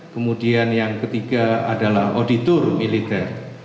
kemudian yang ketiga adalah auditor militer